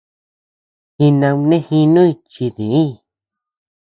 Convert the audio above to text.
Jinaunejinuñ chi diñ.